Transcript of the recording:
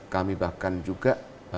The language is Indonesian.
kami bahkan juga